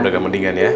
udah gak mendingan ya